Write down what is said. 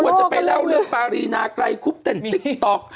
จะไปเล่าเรื่องปารีนาไกลคุบเต้นติ๊กต๊อก